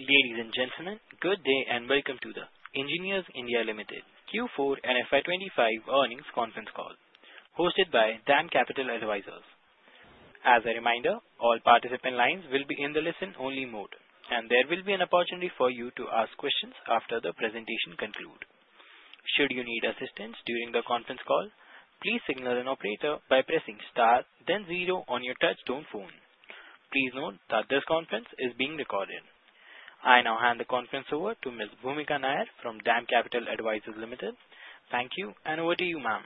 Ladies and gentlemen, good day and welcome to the Engineers India Limited Q4 and FY25 earnings conference call, hosted by DAM Capital Advisors. As a reminder, all participant lines will be in the listen-only mode, and there will be an opportunity for you to ask questions after the presentation concludes. Should you need assistance during the conference call, please signal an operator by pressing star, then zero on your touchstone phone. Please note that this conference is being recorded. I now hand the conference over to Ms. Bhumika Nair from DAM Capital Advisors Limited. Thank you, and over to you, ma'am.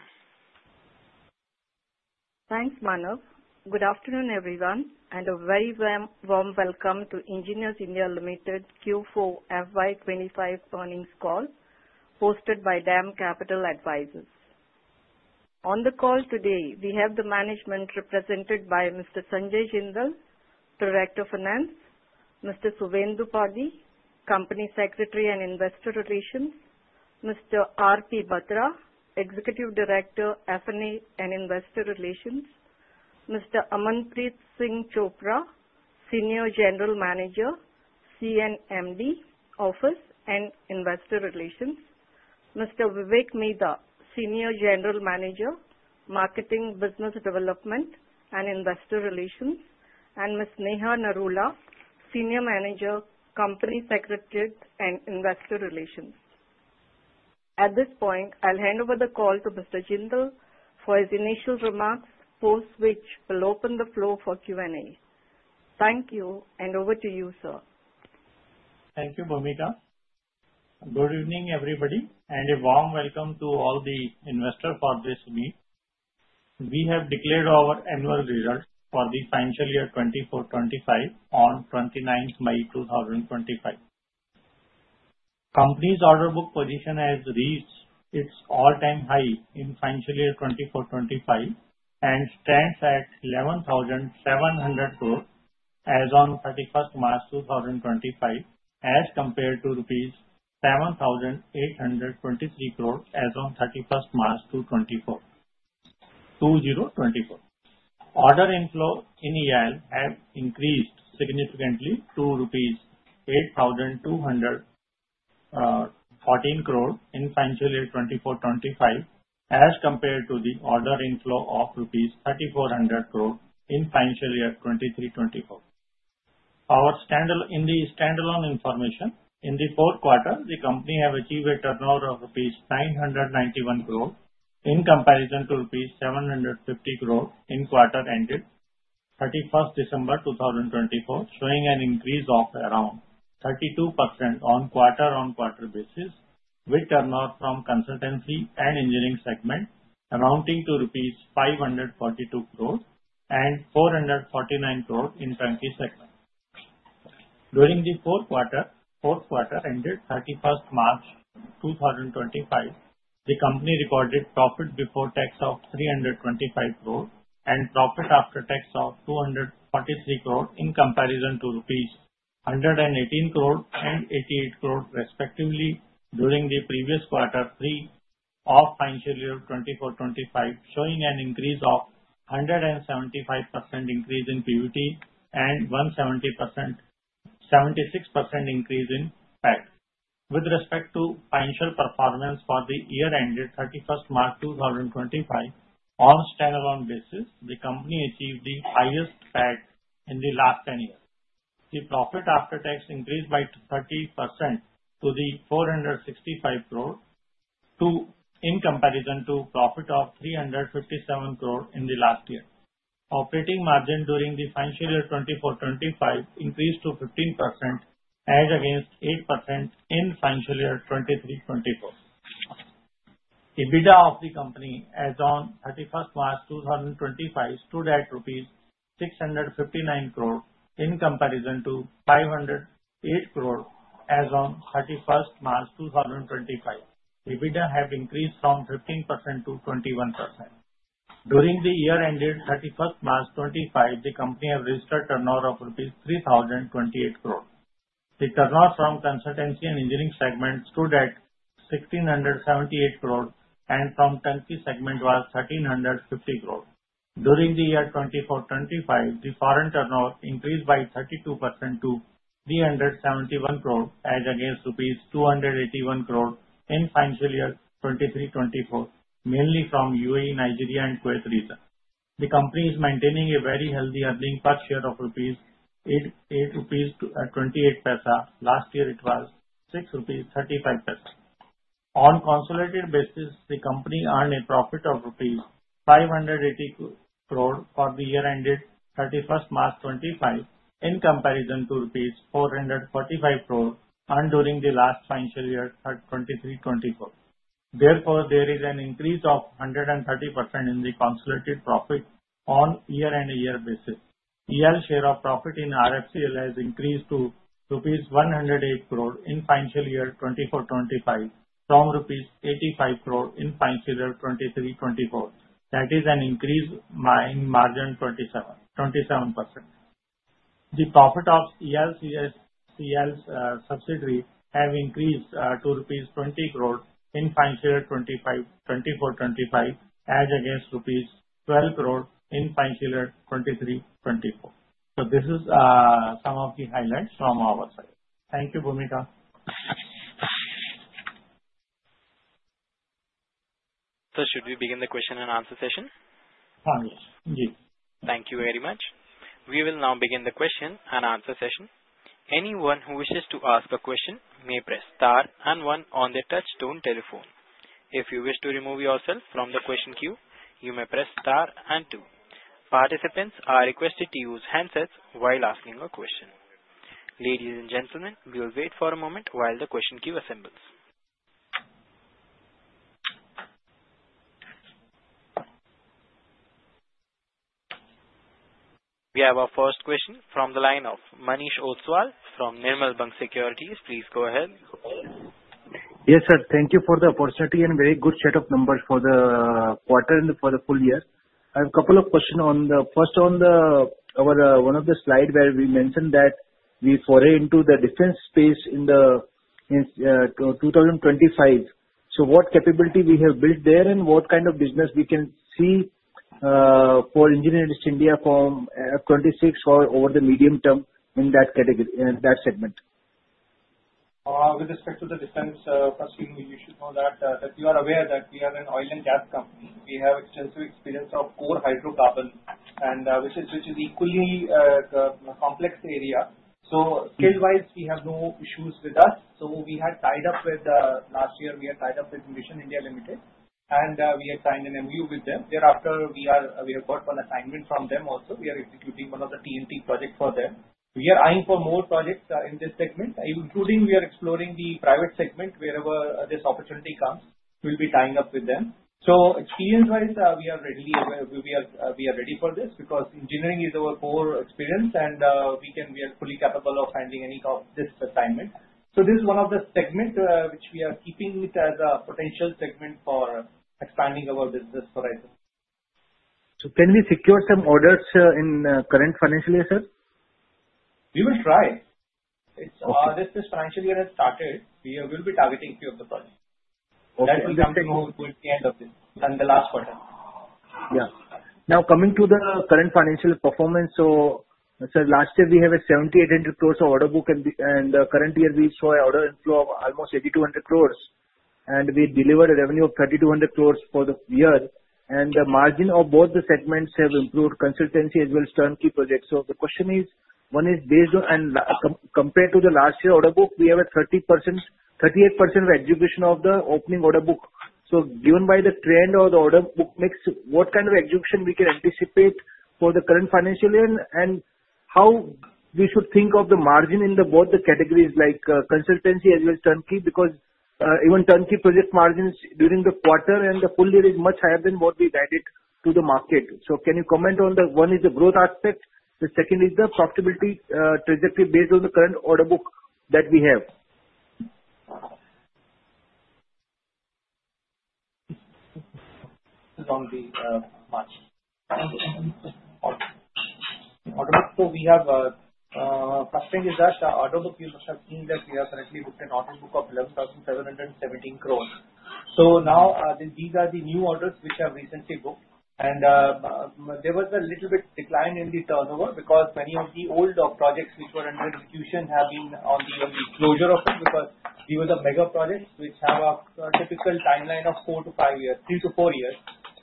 Thanks, Manav. Good afternoon, everyone, and a very warm welcome to Engineers India Limited Q4 FY 25 earnings call, hosted by DAM Capital Advisors. On the call today, we have the management represented by Mr. Sanjay Jindal, Director of Finance; Mr. Suvendu Padhi, Company Secretary and Investor Relations; Mr. R. P. Bhadra, Executive Director, F&E and Investor Relations; Mr. Amanpreet Singh Chopra, Senior General Manager, CNMD Office and Investor Relations; Mr. Vivek Midha, Senior General Manager, Marketing, Business Development and Investor Relations; and Ms. Neha Narula, Senior Manager, Company Secretary and Investor Relations. At this point, I'll hand over the call to Mr. Jindal for his initial remarks, post which we'll open the floor for Q&A. Thank you, and over to you, sir. Thank you, Bhumika. Good evening, everybody, and a warm welcome to all the investors for this meeting. We have declared our annual results for the financial year 24, 25 on 29th May 2025. Company's order book position has reached its all-time high in financial year 2024-2025 and stands at 11,700 crores as of 31st March 2025, as compared to rupees 7,823 crores as of 31st March 2024. Order inflow in EIL has increased significantly to rupees 8,214 crores in financial year 24, 25, as compared to the order inflow of rupees 3,400 crores in financial year 23, 24. In the standalone information, in the fourth quarter, the company has achieved a turnover of rupees 991 crores in comparison to rupees 750 crores in quarter ended 31st December 2024, showing an increase of around 32% on quarter-on-quarter basis, with turnover from consultancy and engineering segment amounting to rupees 542 crores and 449 crores in franchise segment. During the fourth quarter, ended 31st March 2025, the company recorded profit before tax of 325 crores and profit after tax of 243 crores in comparison to rupees 118 crores and 88 crores, respectively, during the previous quarter three of financial year 24, 25, showing an increase of 175% increase in PBT and 176% increase in PAT. With respect to financial performance for the year ended 31st March 2025, on standalone basis, the company achieved the highest PAT in the last ten years. The profit after tax increased by 30% to the 465 crores in comparison to profit of 357 crores in the last year. Operating margin during the financial year 2024-2025 increased to 15%, as against 8% in financial year 2023-2024. EBITDA of the company as of 31st March 2025 stood at rupees 659 crores in comparison to 508 crores as of 31st March 2025. EBITDA have increased from 15% to 21%. During the year ended 31 March 2025, the company has registered turnover of rupees 3,028 crores. The turnover from consultancy and engineering segment stood at 1,678 crores, and from franchise segment was 1,350 crores. During the year 24, 25, the foreign turnover increased by 32% to 371 crores, as against rupees 281 crores in financial year 23, 24, mainly from UAE, Nigeria, and Kuwait region. The company is maintaining a very healthy earnings per share of 8.28 rupees. Last year, it was 6.35 rupees. On consolidated basis, the company earned a profit of rupees 580 crores for the year ended 31 March 2025 in comparison to rupees 445 crores earned during the last financial year 23, 24. Therefore, there is an increase of 130% in the consolidated profit on year-on-year basis. EIL share of profit in RFCL has increased to rupees 108 crores in financial year 24, 25 from rupees 85 crores in financial year 23, 24. That is an increase in margin of 27%. The profit of EIL subsidiaries have increased to rupees 20 crores in financial year 24, 25, as against rupees 12 crores in financial year 23, 24. This is some of the highlights from our side. Thank you, Bhumika. Sir, should we begin the question and answer session? Yes. Thank you very much. We will now begin the question and answer session. Anyone who wishes to ask a question may press star and one on the touchstone telephone. If you wish to remove yourself from the question queue, you may press star and two. Participants are requested to use handsets while asking a question. Ladies and gentlemen, we will wait for a moment while the question queue assembles. We have our first question from the line of Manish Ostwal from Nirmal Bang Securities. Please go ahead. Yes, sir. Thank you for the opportunity and very good set of numbers for the quarter and for the full year. I have a couple of questions. The first on one of the slides where we mentioned that we foray into the defense space in 2025. What capability have we built there and what kind of business can we see for Engineers India from 2026 or over the medium term in that category, in that segment? With respect to the defense per se, you should know that you are aware that we are an oil and gas company. We have extensive experience of core hydrocarbon, which is an equally complex area. So skill-wise, we have no issues with us. We had tied up with last year, we had tied up with Mishra Dhatu Nigam Limited, and we had signed an MoU with them. Thereafter, we have got an assignment from them also. We are executing one of the T&T projects for them. We are eyeing for more projects in this segment, including we are exploring the private segment wherever this opportunity comes. We will be tying up with them. Experience-wise, we are ready for this because engineering is our core experience, and we are fully capable of handling any of this assignment. This is one of the segments which we are keeping as a potential segment for expanding our business horizon. Can we secure some orders in current financial year, sir? We will try. This financial year has started. We will be targeting a few of the projects. That will be something we'll do at the end of this and the last quarter. Yeah. Now, coming to the current financial performance, last year, we have an 7,800 crores order book, and the current year, we saw an order inflow of almost 8,200 crores, and we delivered a revenue of 3,200 crores for the year. The margin of both the segments has improved, consultancy as well as turnkey projects. The question is, one is based on and compared to the last year order book, we have a 38% execution of the opening order book. Given by the trend of the order book mix, what kind of execution can we anticipate for the current financial year and how should we think of the margin in both the categories like consultancy as well as turnkey? Because even turnkey project margins during the quarter and the full year is much higher than what we guided to the market. Can you comment on the one is the growth aspect? The second is the profitability trajectory based on the current order book that we have. Along the margin. We have a constraint is that order book. You must have seen that we have currently booked an order book of 11,717 crores. These are the new orders which have recently booked. There was a little bit decline in the turnover because many of the old projects which were under execution have been on the closure of it because these were the mega projects which have a typical timeline of three to four years.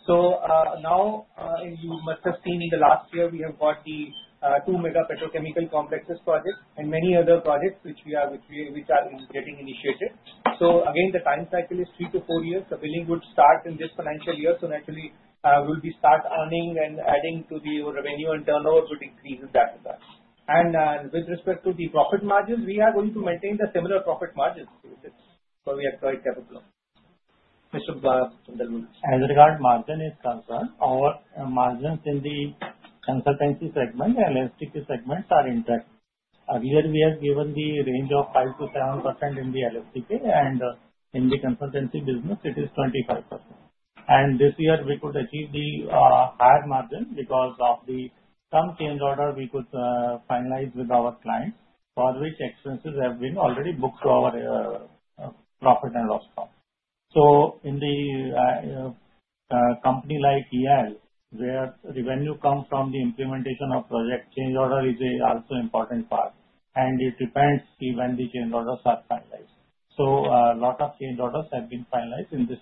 You must have seen in the last year we have got the two mega petrochemical complexes project and many other projects which are getting initiated. Again, the time cycle is three to four years. The billing would start in this financial year. Naturally, we'll be start earning and adding to the revenue and turnover would increase in that regard. With respect to the profit margins, we are going to maintain the similar profit margins with it. We are quite capable. Mr. Sundelwal. As regard margin is concerned, our margins in the consultancy segment and LSTK segments are intact. Earlier, we had given the range of 5%-7% in the LSTK, and in the consultancy business, it is 25%. This year, we could achieve the higher margin because of some change order we could finalize with our clients for which expenses have been already booked to our profit and loss comp. In a company like EIL, where revenue comes from the implementation of project, change order is also an important part, and it depends when the change orders are finalized. A lot of change orders have been finalized in this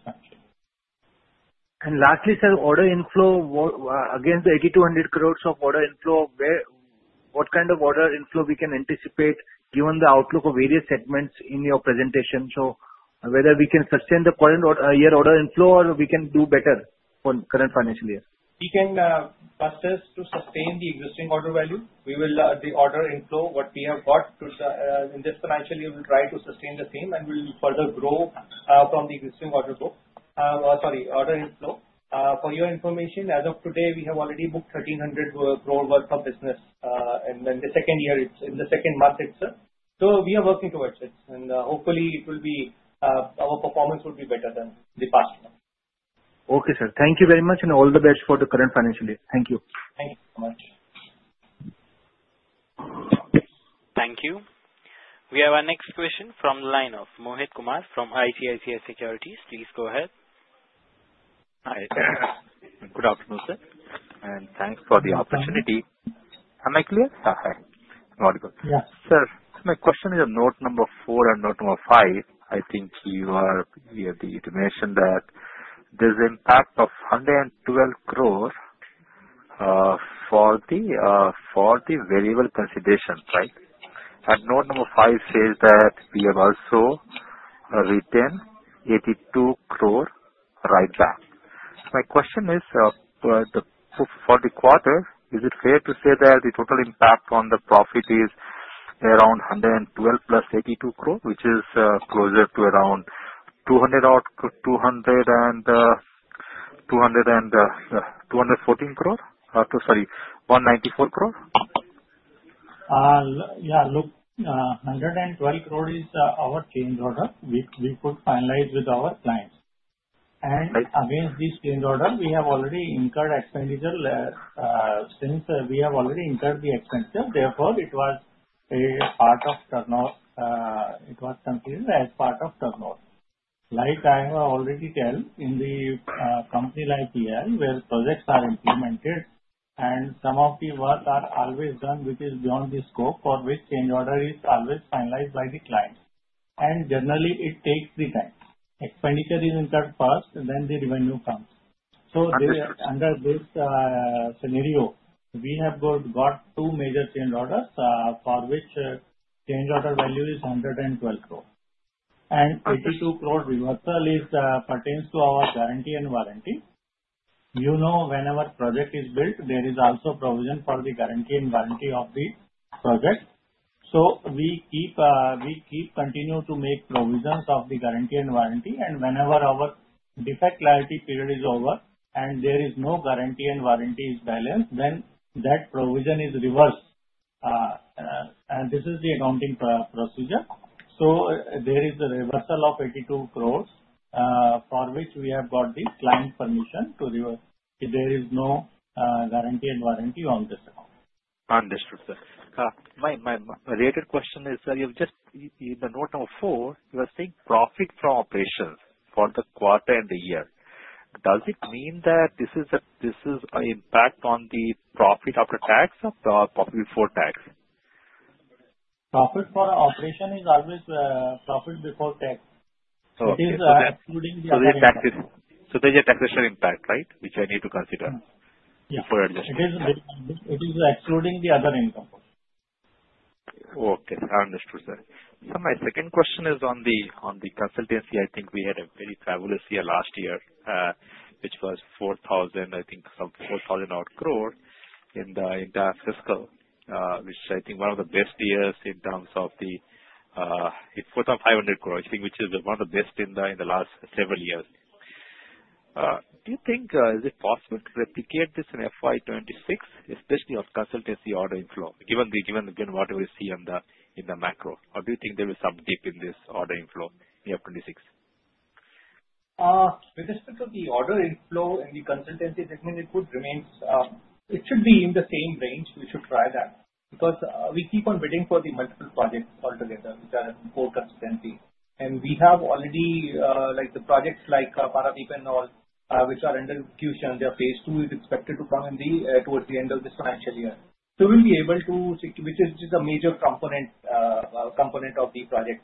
function. Lastly, sir, order inflow, against the 8,200 crores of order inflow, what kind of order inflow can we anticipate given the outlook of various segments in your presentation? Whether we can sustain the current year order inflow or we can do better for the current financial year? We can persist to sustain the existing order value. We will order inflow what we have got in this financial year, we'll try to sustain the same and we'll further grow from the existing order book. Sorry, order inflow. For your information, as of today, we have already booked 1,300 crores worth of business in the second year, in the second month itself. We are working towards it, and hopefully, our performance will be better than the past month. Okay, sir. Thank you very much and all the best for the current financial year. Thank you. Thank you so much. Thank you. We have our next question from the line of Mohit Kumar from ICICI Securities. Please go ahead. Hi. Good afternoon, sir. Thanks for the opportunity. Am I clear? Yeah. Hi. Very good. Yeah. Sir, my question is on note number four and note number five. I think you have mentioned that there's an impact of 112 crores for the variable consideration, right? And note number five says that we have also retained 82 crores right back. My question is, for the quarter, is it fair to say that the total impact on the profit is around 112 plus 82 crores, which is closer to around 214 crores? Sorry, 194 crores? Yeah. Look, 112 crores is our change order we could finalize with our clients. And against this change order, we have already incurred expenditure since we have already incurred the expenses. Therefore, it was a part of turnover; it was considered as part of turnover. Like I have already told, in the company like EIL, where projects are implemented and some of the work are always done which is beyond the scope for which change order is always finalized by the client. Generally, it takes the time. Expenditure is incurred first, then the revenue comes. Under this scenario, we have got two major change orders for which change order value is 112 crores. 82 crores reversal pertains to our guarantee and warranty. You know, whenever project is built, there is also provision for the guarantee and warranty of the project. We keep continue to make provisions of the guarantee and warranty. Whenever our defect clarity period is over and there is no guarantee and warranty balance, that provision is reversed. This is the accounting procedure. There is a reversal of 82 crores for which we have got the client permission to reverse. There is no guarantee and warranty on this account. Understood, sir. My related question is, sir, in the note number four, you are saying profit from operations for the quarter and the year. Does it mean that this is an impact on the profit after tax or profit before tax? Profit for operation is always profit before tax. It is excluding the other income. There's a taxation impact, right, which I need to consider before adjusting? It is excluding the other income. Okay. Understood, sir. My second question is on the consultancy. I think we had a very fabulous year last year, which was 4,000 crores in the entire fiscal, which I think was one of the best years in terms of the 4,500 crores, I think, which is one of the best in the last several years. Do you think it is possible to replicate this in FY 26, especially on consultancy order inflow, given what we see in the macro? Or do you think there is some dip in this order inflow in FY 26? With respect to the order inflow and the consultancy segment, it should be in the same range. We should try that because we keep on bidding for multiple projects altogether, which are for consultancy. We already have projects like Paradeep and all, which are under execution. Their phase two is expected to come towards the end of this financial year. We will be able to, which is a major component of the project.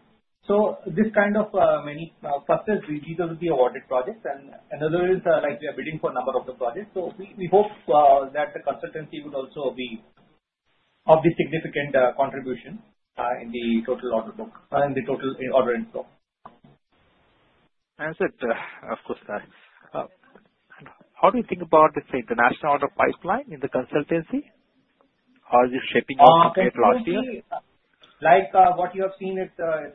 These are the awarded projects. Another is we are bidding for a number of projects. We hope that the consultancy would also be a significant contribution in the total order book and the total order inflow. Sir, of course, sir, how do you think about the international order pipeline in the consultancy? How is it shaping up compared to last year? Like what you have seen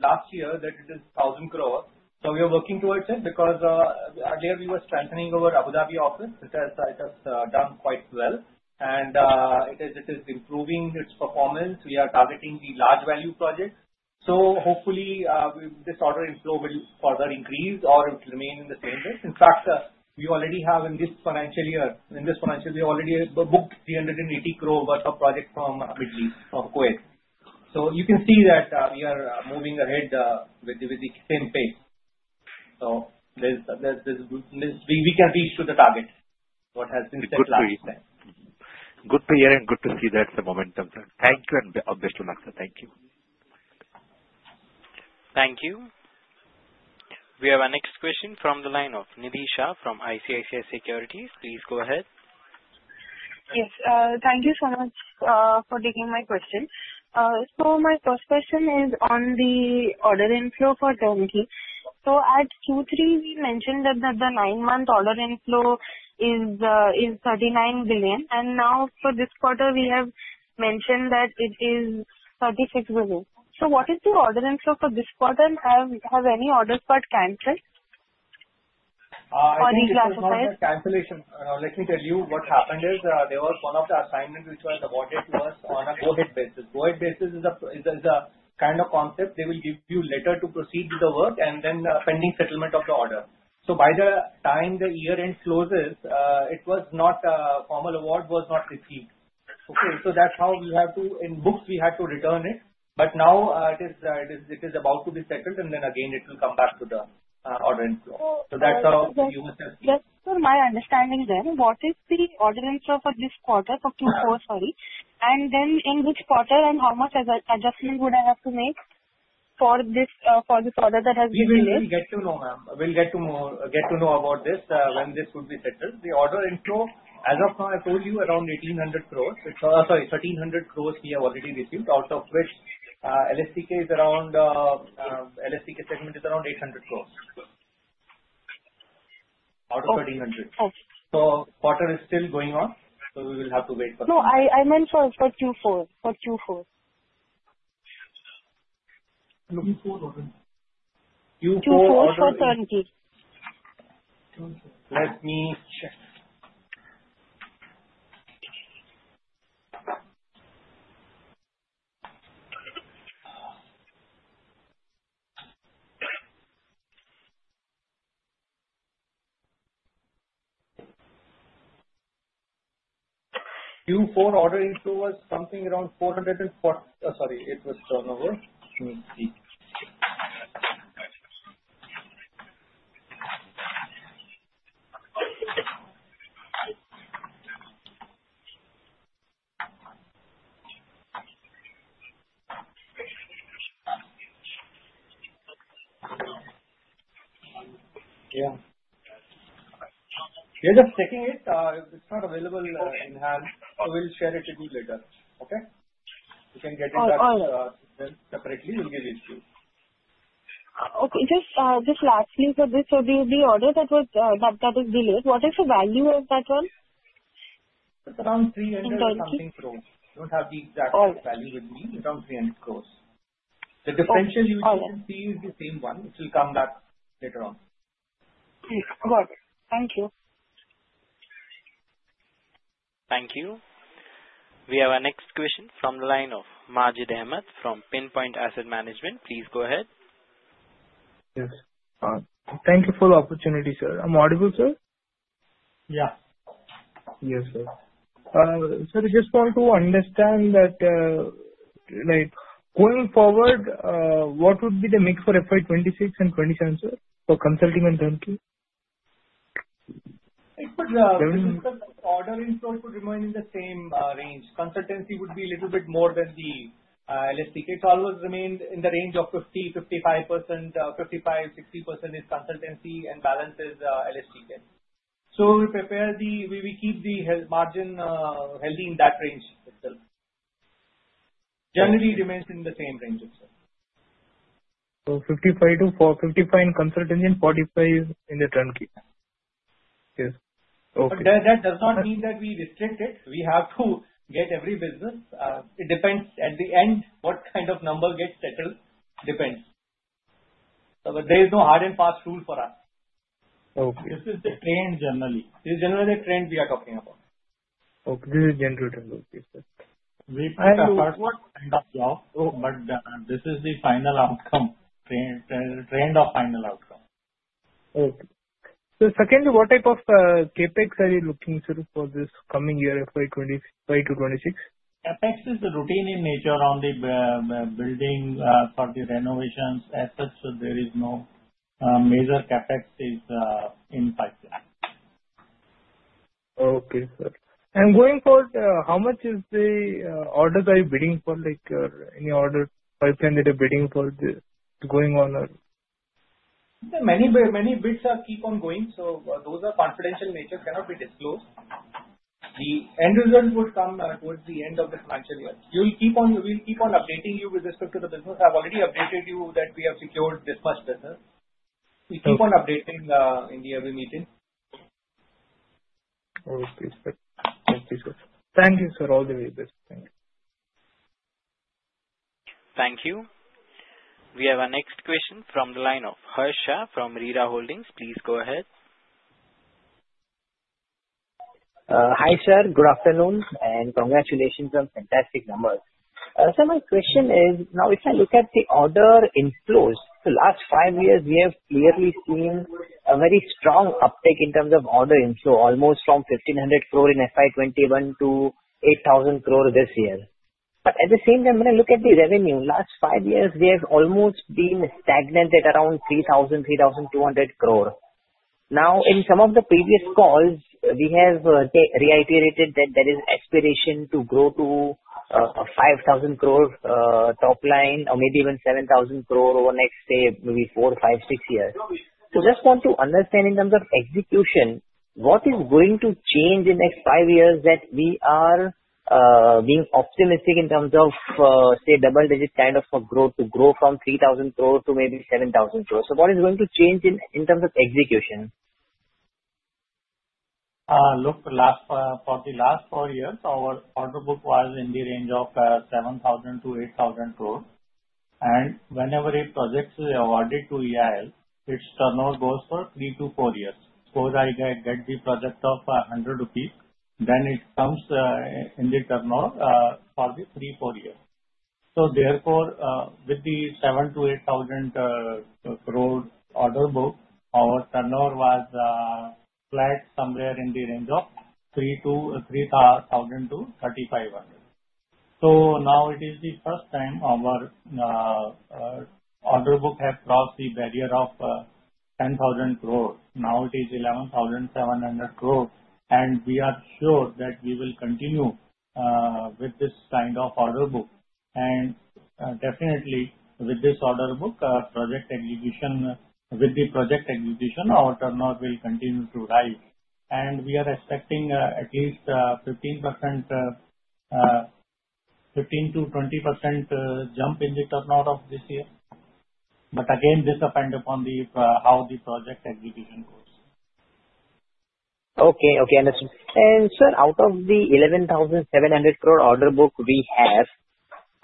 last year, that it is 1,000 crores. We are working towards it because earlier, we were strengthening our Abu Dhabi office, which has done quite well. It is improving its performance. We are targeting the large value projects. Hopefully, this order inflow will further increase or it will remain in the same place. In fact, we already have in this financial year, we already booked 380 crores worth of projects from the Middle East, from Kuwait. You can see that we are moving ahead with the same pace. We can reach to the target, what has been said last year. Good to hear and good to see that momentum. Thank you and best of luck, sir. Thank you. Thank you. We have our next question from the line of Nidhisha from ICICI Securities. Please go ahead. Yes. Thank you so much for taking my question. My first question is on the order inflow for turnkey. At Q3, we mentioned that the nine-month order inflow is 39 billion. Now for this quarter, we have mentioned that it is 36 billion. What is the order inflow for this quarter? Have any orders got canceled or reclassified? Cancellation. Let me tell you what happened is there was one of the assignments which was awarded to us on a go-ahead basis. Go-ahead basis is a kind of concept. They will give you a letter to proceed with the work and then pending settlement of the order. By the time the year-end closes, a formal award was not received. Okay? That is how we have to, in books, we had to return it. Now it is about to be settled, and then again, it will come back to the order inflow. That is how you must have seen. Yes. So my understanding then, what is the order inflow for this quarter for Q4, sorry? And then in which quarter and how much adjustment would I have to make for this order that has been placed? We will get to know, ma'am. We'll get to know about this when this would be settled. The order inflow, as of now, I told you around 1,800 crores. Sorry, 1,300 crores we have already received, out of which LSTK is around LSTK segment is around 800 crores. Out of 1,300. The quarter is still going on, so we will have to wait for that. No, I meant for Q4. For Q4. Q4 order inflow. Q4 for turnkey. Let me check. Q4 order inflow was something around 440. Sorry, it was turnover. Let me see. Yeah. You're just checking it. It's not available in hand. We'll share it with you later. Okay? You can get it separately. We'll give it to you. Okay. Just lastly for this, the order that is delayed, what is the value of that one? It's around 300 something crores. Don't have the exact value with me. Around 300 crores. The differential you will see is the same one. It will come back later on. Got it. Thank you. Thank you. We have our next question from the line of Majid Ahmad from Pinpoint Asset Management. Please go ahead. Yes. Thank you for the opportunity, sir. Am I audible, sir? Yeah. Yes, sir. Sir, I just want to understand that going forward, what would be the mix for FY 26 and 27, sir, for consulting and turnkey? Order inflow could remain in the same range. Consultancy would be a little bit more than the LSTK. It always remained in the range of 50%-55%, 55-60% is consultancy and balance is LSTK. We keep the margin healthy in that range itself. Generally, it remains in the same range itself. Fifty-five to fifty-five in consultancy, and forty-five in the turnkey. Yes. Okay. That does not mean that we restrict it. We have to get every business. It depends. At the end, what kind of number gets settled depends. There is no hard and fast rule for us. This is the trend generally. This is generally the trend we are talking about. Okay. This is general trend. Okay. We prepare for end of year, but this is the final outcome. Trend of final outcome. Okay. So secondly, what type of CapEx are you looking, sir, for this coming year, FY 2026? CapEx is routine in nature on the building for the renovations as such. There is no major CapEx in pipeline. Okay, sir. Going forward, how much is the orders are you bidding for? Any order pipeline that you're bidding for going on? Many bids keep on going. Those are confidential nature, cannot be disclosed. The end result would come towards the end of the financial year. We'll keep on updating you with respect to the business. I've already updated you that we have secured this much business. We keep on updating in every meeting. Okay. Thank you, sir. Thank you, sir. All the very best. Thank you. Thank you. We have our next question from the line of Harsh Shah from REERA Holdings. Please go ahead. Hi, sir. Good afternoon. Congratulations on fantastic numbers. Sir, my question is, now if I look at the order inflows, the last five years, we have clearly seen a very strong uptake in terms of order inflow, almost from 1,500 crore in FY 21 to 8,000 crore this year. At the same time, when I look at the revenue, last five years, we have almost been stagnant at around 3,000, 3,200 crore. In some of the previous calls, we have reiterated that there is aspiration to grow to 5,000 crore top line or maybe even 7,000 crore over the next, say, maybe four, five, six years. I just want to understand in terms of execution, what is going to change in the next five years that we are being optimistic in terms of, say, double-digit kind of growth to grow from 3,000 crore to maybe 7,000 crore? What is going to change in terms of execution? Look, for the last four years, our order book was in the range of 7,000-8,000 crore. And whenever a project is awarded to EIL, its turnover goes for three to four years. Suppose I get the project of 100 rupees, then it comes in the turnover for the three, four years. So therefore, with the 7,000-8,000 crore order book, our turnover was flat somewhere in the range of 3,000-3,500. Now it is the first time our order book has crossed the barrier of 10,000 crore. Now it is 11,700 crore. We are sure that we will continue with this kind of order book. Definitely, with this order book, with the project execution, our turnover will continue to rise. We are expecting at least 15%, 15-20% jump in the turnover this year. Again, this depends upon how the project execution goes. Okay. Okay. Understood. Sir, out of the 11,700 crore order book we have,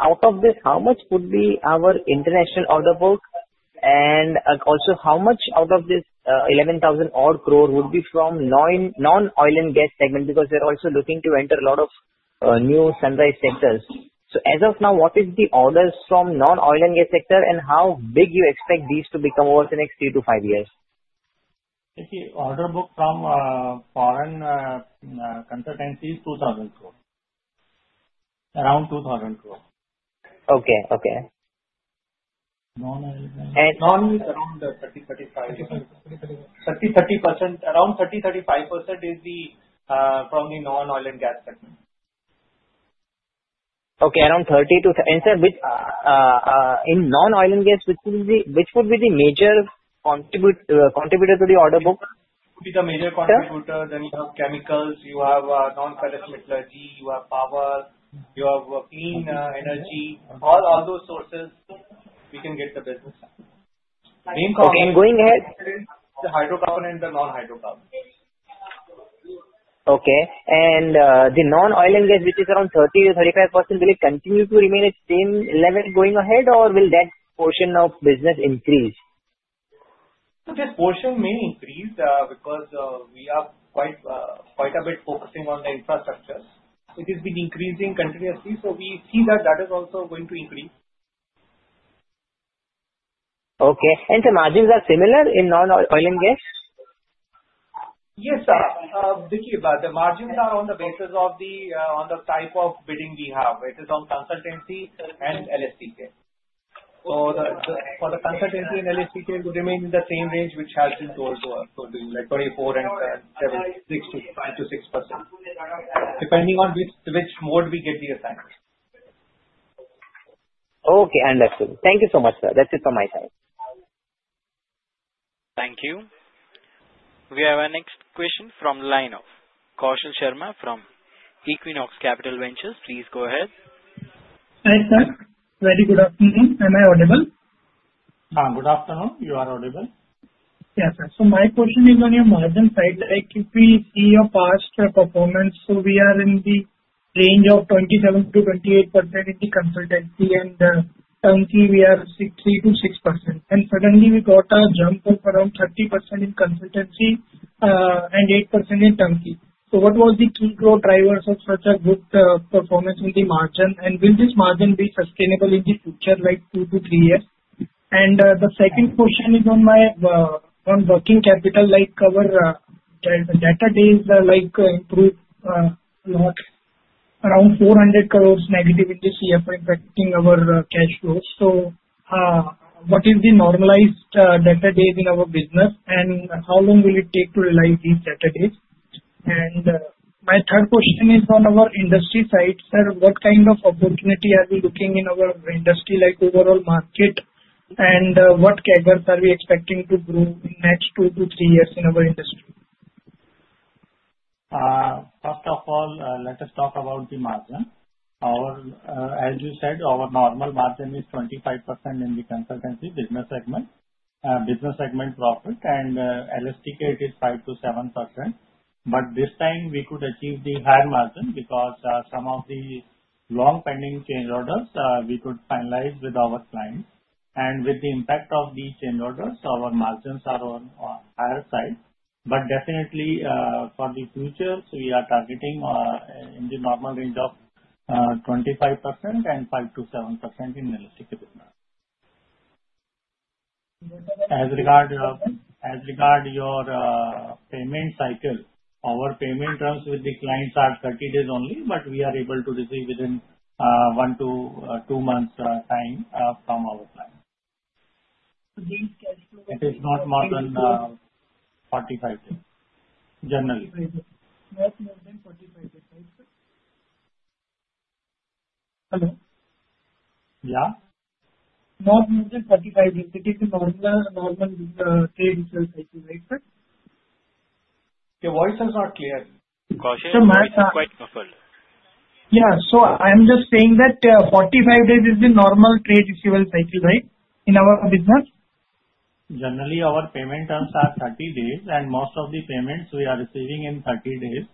out of this, how much would be our international order book? Also, how much out of this 11,000 crore would be from non-oil and gas segment? We are also looking to enter a lot of new sunrise sectors. As of now, what is the orders from non-oil and gas sector, and how big do you expect these to become over the next three to five years? See, order book from foreign consultancy is 2,000 crore. Around 2,000 crore. Okay. Okay. Non-oil and gas? Non-oil is around 30%, 35%. Around 30%, 35% is from the non-oil and gas segment. Okay. Around 30 to, and sir, in non-oil and gas, which would be the major contributor to the order book? Would be the major contributor. You have chemicals. You have non-ferrous metallurgy. You have power. You have clean energy. All those sources, we can get the business. Okay. Going ahead. The hydrocarbon and the non-hydrocarbon. Okay. The non-oil and gas, which is around 30%, 35%, will it continue to remain at the same level going ahead, or will that portion of business increase? That portion may increase because we are quite a bit focusing on the infrastructure. It has been increasing continuously. We see that that is also going to increase. Okay. And the margins are similar in non-oil and gas? Yes, sir. The margins are on the basis of the type of bidding we have. It is on consultancy and LSTK. So for the consultancy and LSTK, it would remain in the same range, which has been told to us, so like 24% and 7, 6%-5%-6%, depending on which mode we get the assignment. Okay. Understood. Thank you so much, sir. That's it for my side. Thank you. We have our next question from the line of Kaushal Sharma from Equinox Capital Ventures. Please go ahead. Hi, sir. Very good afternoon. Am I audible? Good afternoon. You are audible. Yes, sir. My question is on your margin side. If we see your past performance, we are in the range of 27%-28% in the consultancy, and turnkey, we are 3%-6%. Suddenly, we got a jump of around 30% in consultancy and 8% in turnkey. What was the key growth drivers of such a good performance in the margin? Will this margin be sustainable in the future, like two to three years? The second question is on working capital. Our debtor days improved a lot, around 400 crores negative in this year for impacting our cash flows. What is the normalized debtor days in our business? How long will it take to realize these debtor days? My third question is on our industry side, sir. What kind of opportunity are we looking in our industry, like overall market? What categories are we expecting to grow in the next two to three years in our industry? First of all, let us talk about the margin. As you said, our normal margin is 25% in the consultancy business segment, business segment profit. And LSTK, it is 5%-7%. This time, we could achieve the higher margin because some of the long pending change orders, we could finalize with our clients. With the impact of the change orders, our margins are on the higher side. Definitely, for the future, we are targeting in the normal range of 25% and 5%-7% in LSTK business. As regard your payment cycle, our payment terms with the clients are 30 days only, but we are able to receive within one to two months' time from our client. It is not more than 45 days, generally. Not more than 45 days, right, sir? Hello? Yeah? Not more than 45 days. It is a normal trade cycle, right, sir? Your voice is not clear. Kaushal, you're quite muffled. Yeah. So I'm just saying that 45 days is the normal trade cycle, right, in our business? Generally, our payment terms are 30 days, and most of the payments we are receiving in 30 days.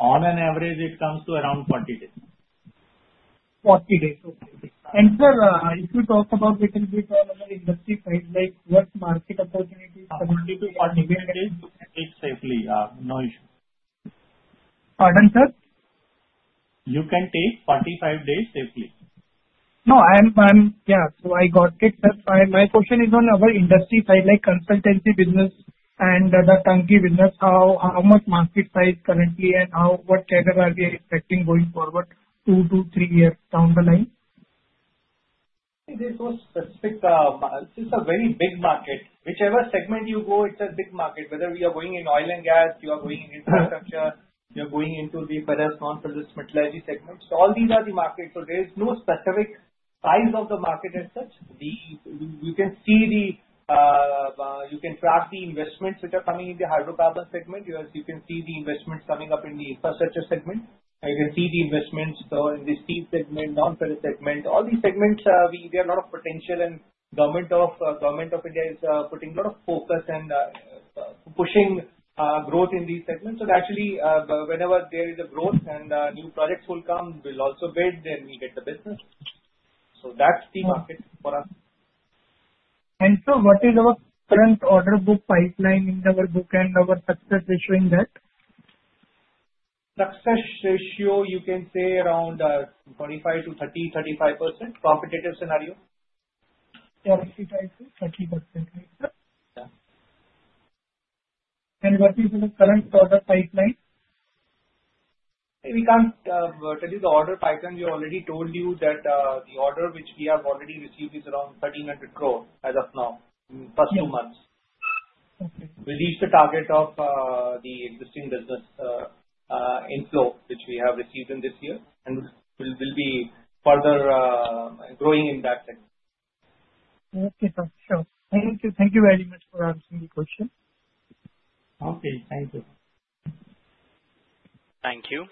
On an average, it comes to around 40 days. Forty days. Okay. And sir, if we talk about a little bit on our industry side, like what market opportunities? 40-45 days you can take safely. No issue. Pardon, sir? You can take 45 days safely. No. Yeah. So I got it, sir. My question is on our industry side, like consultancy business and the turnkey business. How much market size currently, and what category are we expecting going forward two to three years down the line? This is a very big market. Whichever segment you go, it's a big market. Whether we are going in oil and gas, you are going in infrastructure, you are going into the ferrous non-ferrous metallurgy segment. All these are the markets. There is no specific size of the market as such. You can see the investments which are coming in the hydrocarbon segment. You can see the investments coming up in the infrastructure segment. You can see the investments in the steel segment, non-ferrous segment. All these segments, there are a lot of potential, and Government of India is putting a lot of focus and pushing growth in these segments. Actually, whenever there is a growth and new projects will come, we'll also bid, then we get the business. That's the market for us. Sir, what is our current order book pipeline in our book and our success ratio in that? Success ratio, you can say around 25%-30%, 35%. Competitive scenario? Yeah. 30%. 30%. What is the current order pipeline? We can't tell you the order pipeline. We already told you that the order which we have already received is around 1,300 crore as of now, in the past two months. We reached the target of the existing business inflow, which we have received in this year, and we'll be further growing in that segment. Okay. Sure. Thank you very much for answering the question. Okay. Thank you. Thank you.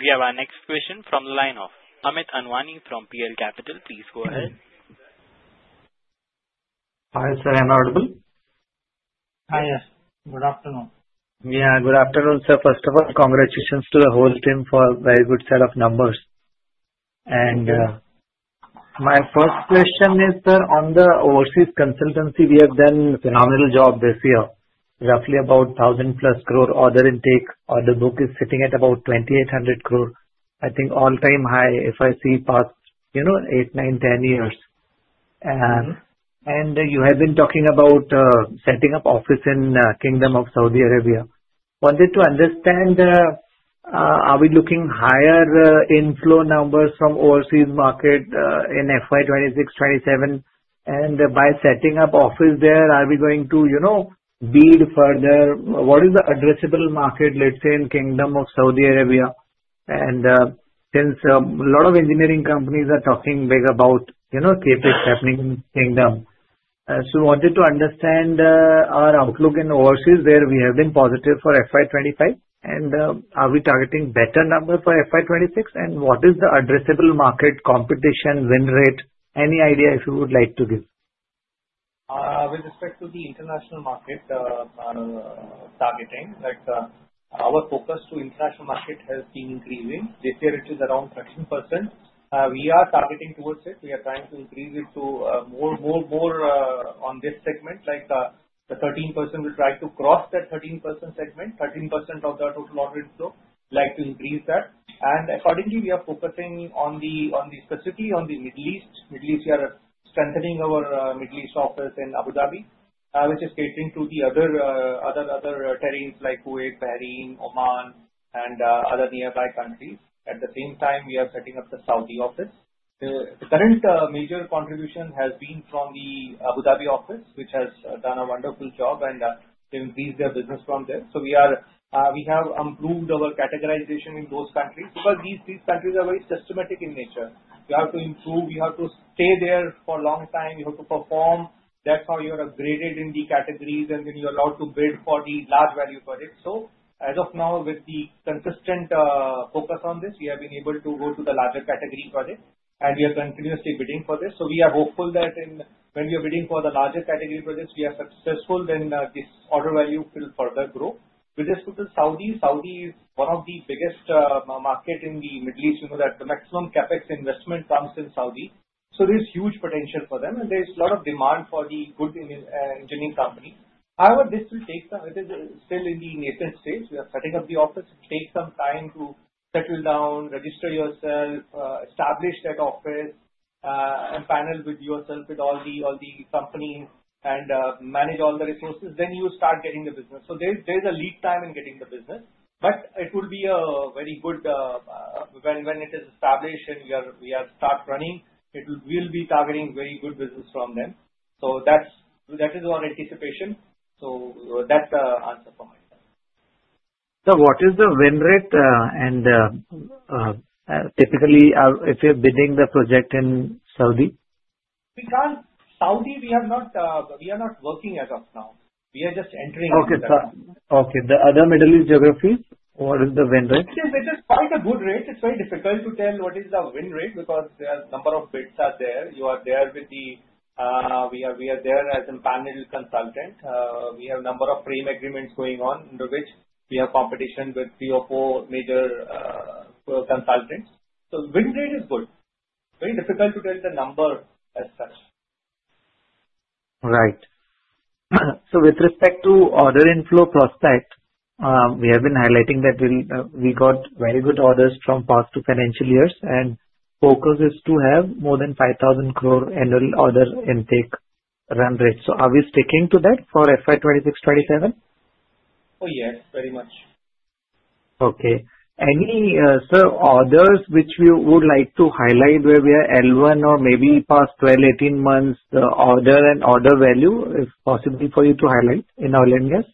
We have our next question from the line of Amit Anwani from PL Capital. Please go ahead. Hi, sir. Am I audible? Hi, yes. Good afternoon. Yeah. Good afternoon, sir. First of all, congratulations to the whole team for a very good set of numbers. My first question is, sir, on the overseas consultancy, we have done a phenomenal job this year. Roughly about 1,000 plus crore order intake. Order book is sitting at about 2,800 crore. I think all-time high, if I see past 8, 9, 10 years. You have been talking about setting up office in the Kingdom of Saudi Arabia. Wanted to understand, are we looking higher inflow numbers from overseas market in FY 26, FY 27? By setting up office there, are we going to bid further? What is the addressable market, let's say, in the Kingdom of Saudi Arabia? Since a lot of engineering companies are talking big about CAPEX happening in the Kingdom, wanted to understand our outlook in overseas where we have been positive for FY 25. Are we targeting better numbers for FY 26? What is the addressable market competition win rate? Any idea if you would like to give? With respect to the international market targeting, our focus to international market has been increasing. This year, it is around 13%. We are targeting towards it. We are trying to increase it to more on this segment. Like the 13%, we will try to cross that 13% segment, 13% of the total order inflow, like to increase that. Accordingly, we are focusing specifically on the Middle East. Middle East, we are strengthening our Middle East office in Abu Dhabi, which is catering to the other terrains like Kuwait, Bahrain, Oman, and other nearby countries. At the same time, we are setting up the Saudi office. The current major contribution has been from the Abu Dhabi office, which has done a wonderful job and increased their business from there. We have improved our categorization in those countries. Because these countries are very systematic in nature. You have to improve. You have to stay there for a long time. You have to perform. That's how you are upgraded in the categories, and then you're allowed to bid for the large value projects. As of now, with the consistent focus on this, we have been able to go to the larger category projects, and we are continuously bidding for this. We are hopeful that when we are bidding for the larger category projects, if we are successful, then this order value will further grow. With respect to Saudi, Saudi is one of the biggest markets in the Middle East. The maximum CAPEX investment comes from Saudi. There is huge potential for them, and there is a lot of demand for the good engineering companies. However, this will take some time. It is still in the native state. We are setting up the office. It will take some time to settle down, register yourself, establish that office, and panel yourself with all the companies and manage all the resources. Then you will start getting the business. There is a lead time in getting the business, but it will be very good when it is established and we start running. It will be targeting very good business from them. That is our anticipation. That is the answer for my side. Sir, what is the win rate and typically, if you're bidding the project in Saudi? We can't Saudi, we are not working as of now. We are just entering into Saudi. Okay. Okay. The other Middle East geographies, what is the win rate? It is quite a good rate. It's very difficult to tell what is the win rate because the number of bids are there. You are there with the we are there as a panel consultant. We have a number of frame agreements going on, in which we have competition with three or four major consultants. So win rate is good. Very difficult to tell the number as such. Right. So with respect to order inflow prospect, we have been highlighting that we got very good orders from past two financial years, and focus is to have more than 5,000 crore annual order intake run rate. Are we sticking to that for FY 26, FY 27? Oh, yes. Very much. Okay. Any, sir, orders which you would like to highlight where we are L1 or maybe past 12, 18 months order and order value, if possible for you to highlight in our lenders?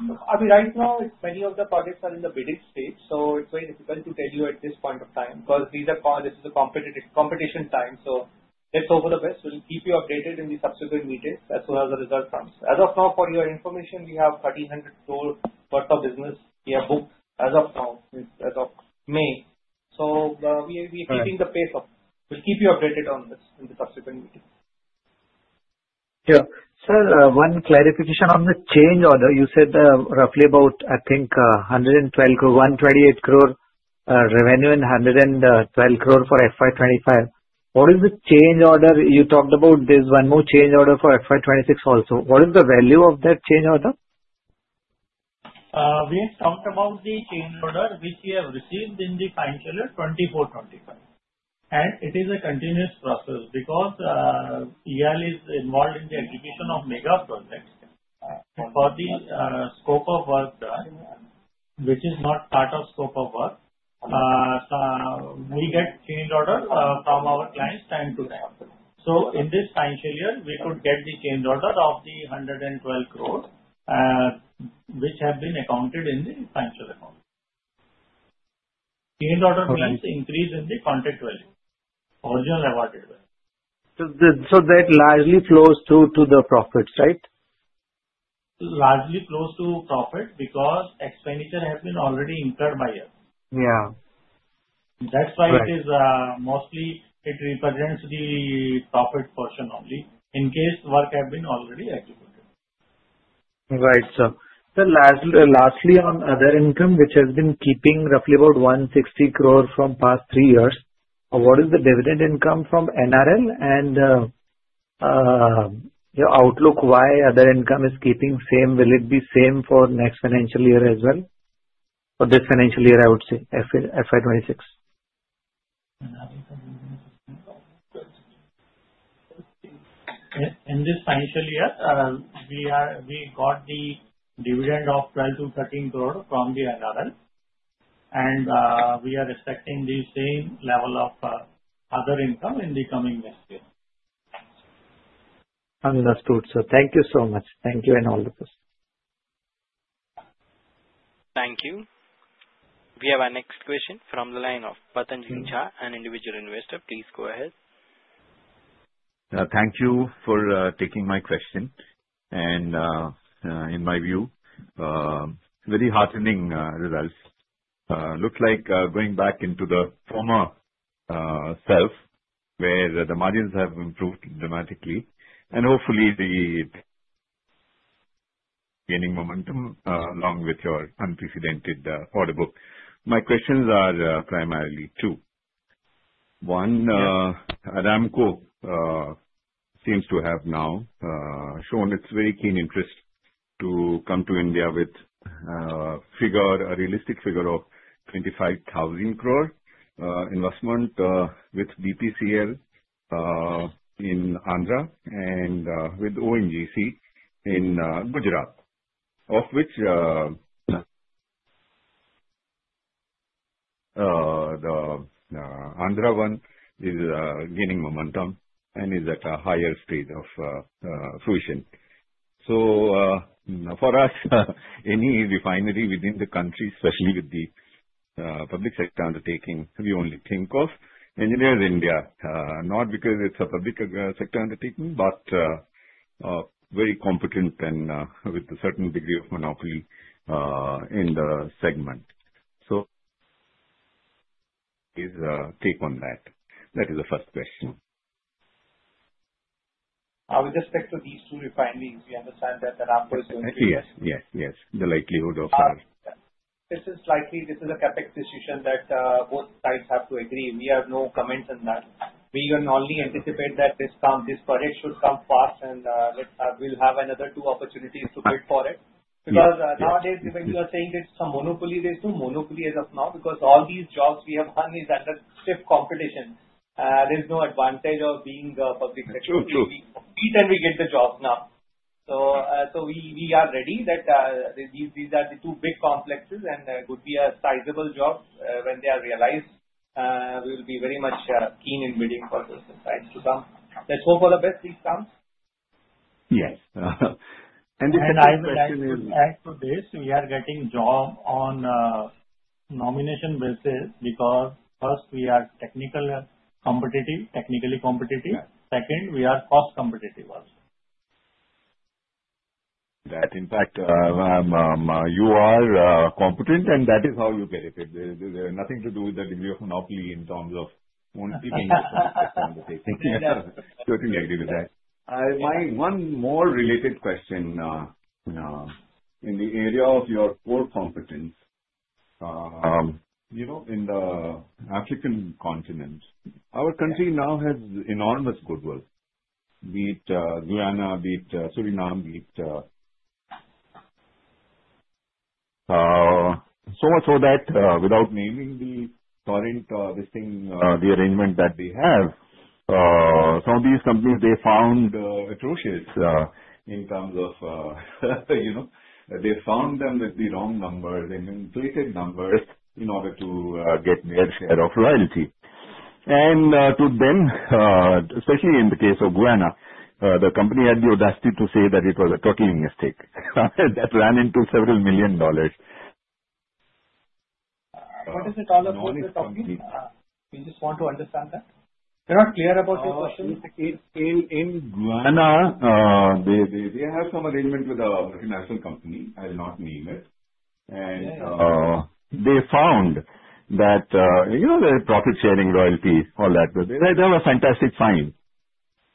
I mean, right now, many of the projects are in the bidding stage. It is very difficult to tell you at this point of time because this is a competition time. Let's hope for the best. We'll keep you updated in the subsequent meetings as soon as the result comes. As of now, for your information, we have 1,300 crore worth of business we have booked as of now, as of May. We are keeping the pace up. We'll keep you updated on this in the subsequent meetings. Yeah. Sir, one clarification on the change order. You said roughly about, I think, 128 crore revenue and 112 crore for FY 25. What is the change order you talked about? There's one more change order for FY 26 also. What is the value of that change order? We have talked about the change order, which we have received in the financial year 24, 25. It is a continuous process because EIL is involved in the execution of mega projects. For the scope of work done, which is not part of scope of work, we get change orders from our clients time to time. In this financial year, we could get the change order of 112 crore, which have been accounted in the financial account. Change order increase in the contract value, original awarded value. That largely flows through to the profits, right? Largely flows to profit because expenditure has been already incurred by us. Yeah. That's why it is mostly it represents the profit portion only in case work has been already executed. Right. Sir, lastly, on other income, which has been keeping roughly about 160 crore from past three years, what is the dividend income from NRL? And your outlook why other income is keeping same? Will it be same for next financial year as well? For this financial year, I would say, FY 26. In this financial year, we got the dividend of 12 crore-13 crore from the NRL. We are expecting the same level of other income in the coming next year. Understood. Sir, thank you so much. Thank you and all the best. Thank you. We have our next question from the line of Patanjeet Jha, an individual investor. Please go ahead. Thank you for taking my question. In my view, very heartening results. Looks like going back into the former self, where the margins have improved dramatically. Hopefully, the gaining momentum along with your unprecedented order book. My questions are primarily two. One, Aramco seems to have now shown its very keen interest to come to India with a realistic figure of 25,000 crore investment with BPCL in Andhra Pradesh and with ONGC in Gujarat, of which the Andhra one is gaining momentum and is at a higher stage of fruition. For us, any refinery within the country, especially with the public sector undertaking, we only think of Engineers India, not because it is a public sector undertaking, but very competent and with a certain degree of monopoly in the segment. What is your take on that? That is the first question. With respect to these two refineries, we understand that the number is going to be less. Yes. The likelihood of. This is likely this is a CAPEX decision that both sides have to agree. We have no comments on that. We can only anticipate that this project should come fast, and we'll have another two opportunities to bid for it. Because nowadays, when you are saying it's a monopoly, there's no monopoly as of now because all these jobs we have done is under stiff competition. There's no advantage of being public sector. We compete and we get the jobs now. We are ready that these are the two big complexes, and there could be a sizable job when they are realized. We will be very much keen in bidding for those two sides to come. Let's hope for the best these times. Yes. This is my question. I would like to add to this, we are getting jobs on nomination basis because first, we are technically competitive. Second, we are cost competitive also. That in fact, you are competent, and that is how you get it. There is nothing to do with the degree of monopoly in terms of competing with other companies. I certainly agree with that. My one more related question in the area of your core competence. In the African continent, our country now has enormous goodwill, be it Guyana, be it Suriname, be it so much so that without naming the current listing. The arrangement that we have, some of these companies, they found atrocious in terms of they found them with the wrong numbers, inflated numbers in order to get their share of loyalty. And to them, especially in the case of Guyana, the company had the audacity to say that it was a total mistake. That ran into several million dollars. What is it all about the company? We just want to understand that. They're not clear about this question. In Guyana, they have some arrangement with a multinational company. I'll not name it. They found that their profit-sharing, royalty, all that. They have a fantastic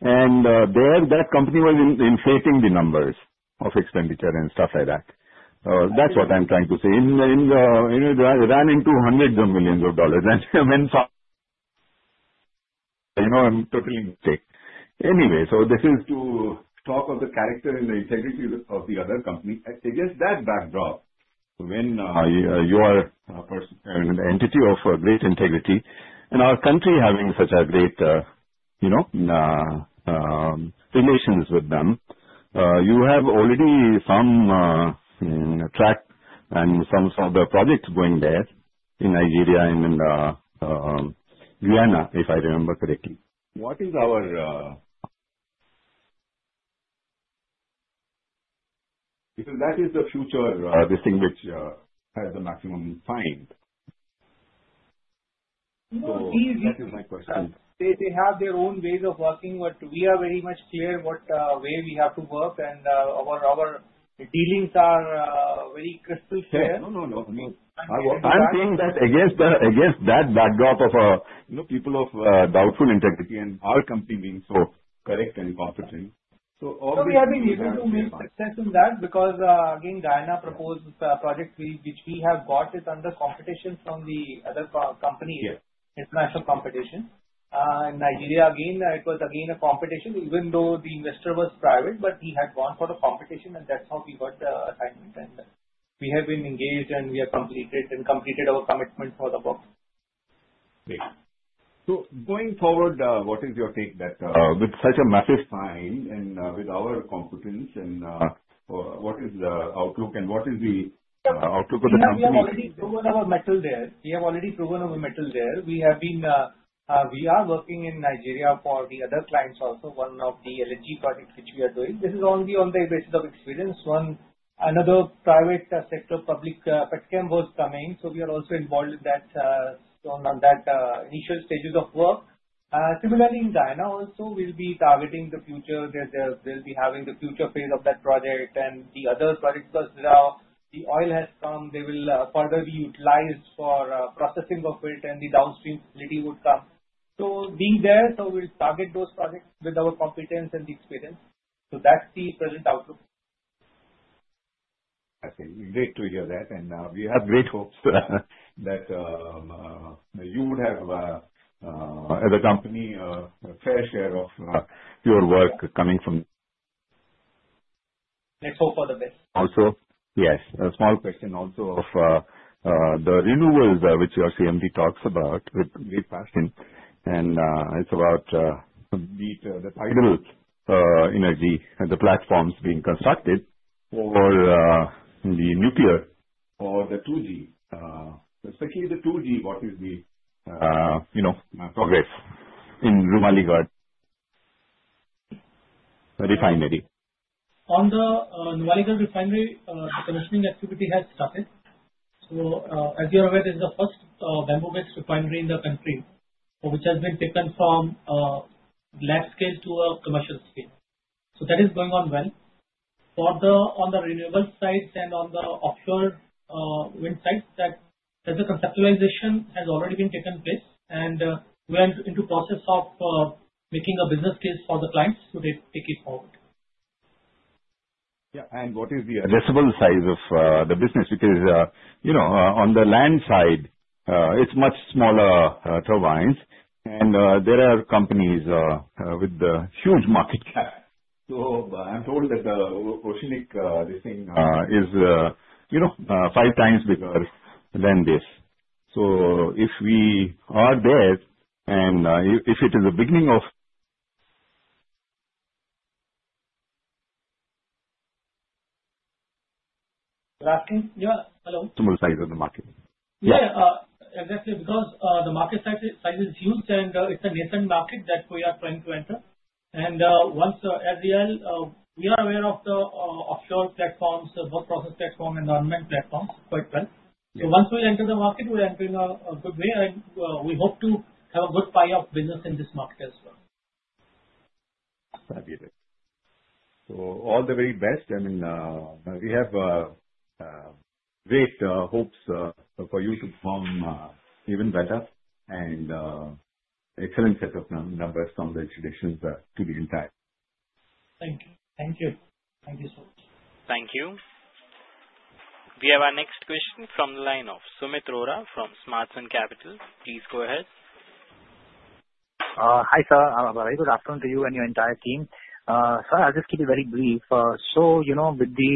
find. There, that company was inflating the numbers of expenditure and stuff like that. That's what I'm trying to say. It ran into hundreds of millions of dollars. If I'm totally mistaken. Anyway, this is to talk of the character and the integrity of the other company. Against that backdrop, when you are an entity of great integrity and our country having such great relations with them, you have already some track and some of the projects going there in Nigeria and in Guyana, if I remember correctly. What is our, because that is the future distinguished as the maximum find. No, that is my question. They have their own ways of working, but we are very much clear what way we have to work, and our dealings are very crystal clear. No, no, no. I'm saying that against that backdrop of people of doubtful integrity and our company being so correct and competent. We have been able to make success in that because, again, Guyana proposed a project which we have got under competition from the other companies, international competition. In Nigeria, again, it was a competition, even though the investor was private, but he had gone for the competition, and that's how we got the assignment. We have been engaged, and we have completed our commitment for the work. Great. Going forward, what is your take on that? With such a massive fine and with our competence, what is the outlook and what is the outlook of the company? We have already proven our mettle there. We are working in Nigeria for other clients also, one of the LNG projects which we are doing. This is only on the basis of experience. Another private sector, public Petchem, was coming. We are also involved in that initial stages of work. Similarly, in Guyana also, we'll be targeting the future. They'll be having the future phase of that project and the other projects because now the oil has come. They will further be utilized for processing of it, and the downstream facility would come. Being there, we'll target those projects with our competence and the experience. That's the present outlook. I see. Great to hear that. We have great hopes that you would have, as a company, a fair share of your work coming from. Let's hope for the best. Also, yes. A small question also of the renewables which your CMD talks about with great passion. It is about the tidal energy, the platforms being constructed for the nuclear or the 2G, especially the 2G, what is the progress in Numaligarh refinery? On the Numaligarh refinery, the commissioning activity has started. As you're aware, this is the first bamboo-based refinery in the country which has been taken from large scale to a commercial scale. That is going on well. On the renewable sites and on the offshore wind sites, the conceptualization has already taken place. We are into the process of making a business case for the clients to take it forward. Yeah. What is the addressable size of the business? Because on the land side, it's much smaller turbines, and there are companies with huge market cap. I'm told that the oceanic listing is five times bigger than this. If we are there and if it is the beginning of. You're asking? Yeah, hello. Size of the market? Yeah. Exactly. Because the market size is huge, and it's a nascent market that we are trying to enter. And once as EIL, we are aware of the offshore platforms, both process platform and unmanned platforms quite well. Once we enter the market, we're entering a good way. We hope to have a good pie of business in this market as well. Fabulous. All the very best. We have great hopes for you to perform even better and excellent set of numbers from the expectations to be intact. Thank you so much. Thank you. We have our next question from the line of Sumit Rora from Smartson Capital. Please go ahead. Hi sir. I would like to ask to you and your entire team. Sir, I'll just keep it very brief. With the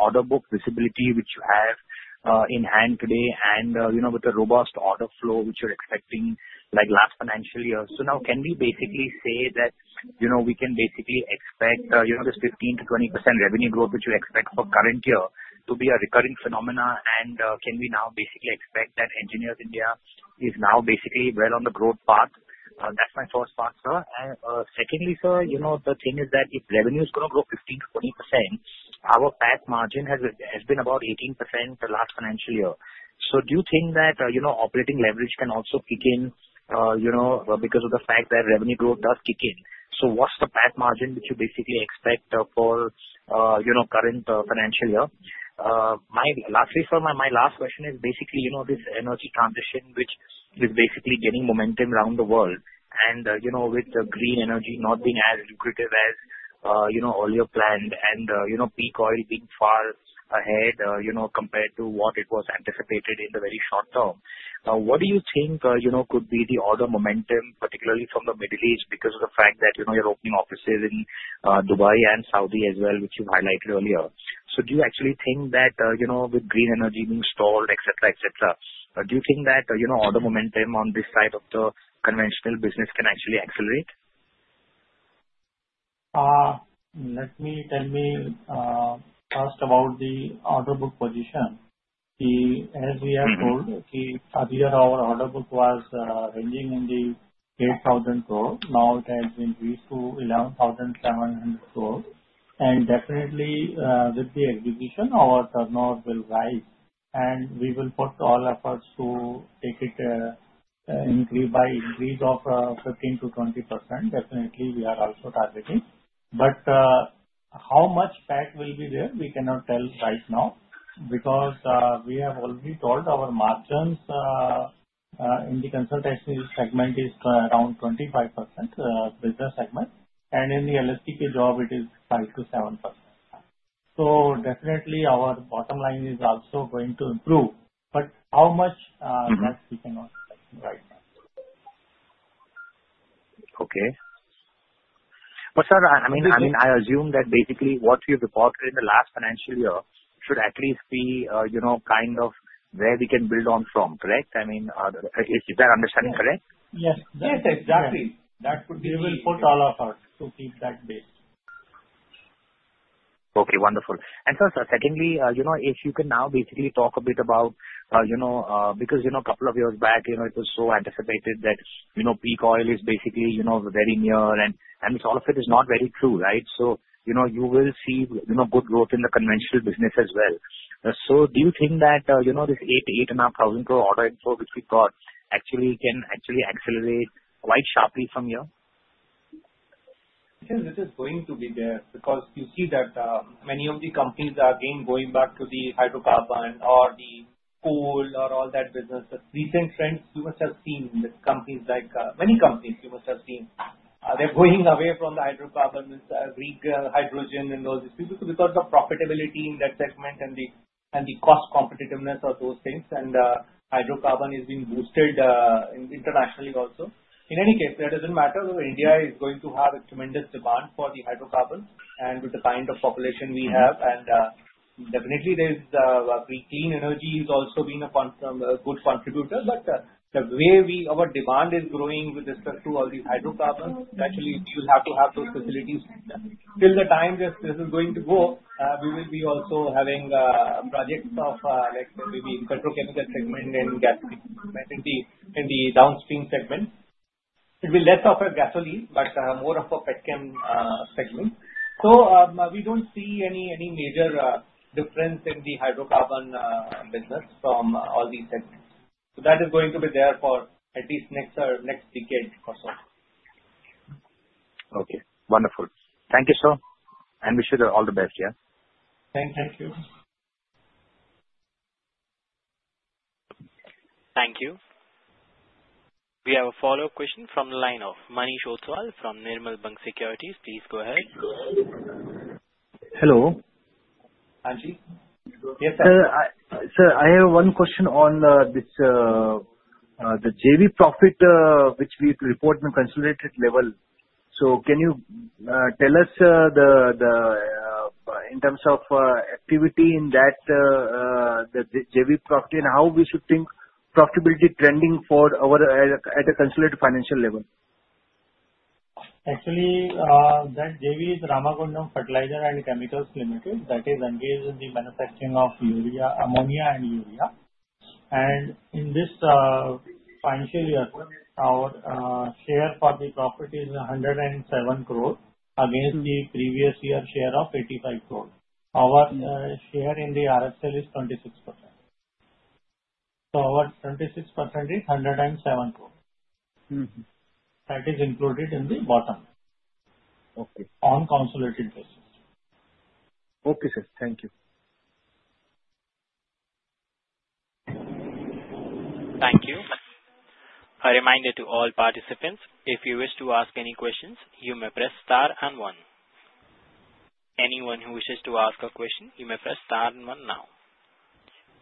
order book visibility which you have in hand today and with the robust order flow which you're expecting like last financial year, can we basically say that we can basically expect this 15%-20% revenue growth which you expect for current year to be a recurring phenomena? Can we now basically expect that Engineers India is now basically well on the growth path? That's my first thought, sir. Secondly, sir, the thing is that if revenue is going to grow 15%-20%, our PAT margin has been about 18% the last financial year. Do you think that operating leverage can also kick in because of the fact that revenue growth does kick in? What is the PAT margin which you basically expect for the current financial year? Lastly, sir, my last question is basically this energy transition which is basically getting momentum around the world and with the green energy not being as lucrative as earlier planned and peak oil being far ahead compared to what it was anticipated in the very short term. What do you think could be the order momentum, particularly from the Middle East because of the fact that you are opening offices in Dubai and Saudi as well, which you have highlighted earlier? Do you actually think that with green energy being stalled, etc., etc., the order momentum on this side of the conventional business can actually accelerate? Let me tell you first about the order book position. As we have told, earlier our order book was ranging in the 8,000 crore. Now it has increased to 11,700 crore. Definitely, with the exhibition, our turnover will rise. We will put all efforts to take it increase by increase of 15-20%. Definitely, we are also targeting. However, how much PAT will be there, we cannot tell right now because we have already told our margins in the consultancy segment is around 25% business segment. In the LSTK job, it is 5% -7%. Definitely, our bottom line is also going to improve. However, how much, that we cannot expect right now. Okay. Sir, I mean, I assume that basically what we have reported in the last financial year should at least be kind of where we can build on from, correct? I mean, is that understanding correct? Yes. Yes, exactly. That would be the. We will put all our efforts to keep that base. Okay. Wonderful. Sir, secondly, if you can now basically talk a bit about because a couple of years back, it was so anticipated that peak oil is basically very near and all of it is not very true, right? You will see good growth in the conventional business as well. Do you think that this 8,000-8,500 crore order inflow which we got actually can actually accelerate quite sharply from here? Yes, it is going to be there because you see that many of the companies are again going back to the hydrocarbon or the coal or all that business. Recent trends, you must have seen that companies like many companies, you must have seen. They're going away from the hydrocarbon, green hydrogen and all these things because of profitability in that segment and the cost competitiveness of those things. Hydrocarbon is being boosted internationally also. In any case, that doesn't matter. India is going to have a tremendous demand for the hydrocarbon and with the kind of population we have. Definitely, green energy is also being a good contributor. The way our demand is growing with respect to all these hydrocarbons, naturally, we will have to have those facilities. Still, the time just is going to go. We will be also having projects of maybe petrochemical segment and gasoline segment in the downstream segment. It will be less of a gasoline, but more of a Petchem segment. We do not see any major difference in the hydrocarbon business from all these segments. That is going to be there for at least the next decade or so. Okay. Wonderful. Thank you, sir. And wish you all the best, yeah? Thank you. Thank you. We have a follow-up question from the line of Manish Otswal from Nirmal Bank Securities. Please go ahead. Hello. Hi, Manish. Yes, sir. Sir, I have one question on the JV profit which we report at consolidated level. Can you tell us in terms of activity in that JV profit and how we should think profitability trending at a consolidated financial level? Actually, that JV is Ramagundam Fertilizer and Chemicals Limited that is engaged in the manufacturing of ammonia and urea. In this financial year, our share for the property is 107 crore against the previous year share of 85 crore. Our share in the RFCL is 26%. Our 26% is 107 crore. That is included in the bottom on consolidated basis. Okay, sir. Thank you. Thank you. A reminder to all participants, if you wish to ask any questions, you may press star and one. Anyone who wishes to ask a question, you may press star and one now.